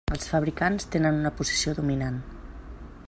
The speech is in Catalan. Els fabricants tenen una posició dominant.